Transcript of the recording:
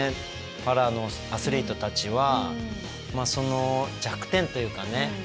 パラのアスリートたちはその弱点というかね